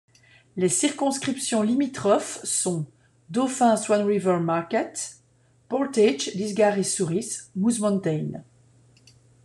Les circonscriptions limitrophes sont Dauphin—Swan River—Marquette, Portage—Lisgar et Souris—Moose Mountain.